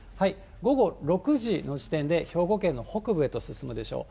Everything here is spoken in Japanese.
午後６時の時点で兵庫県の北部へと進むでしょう。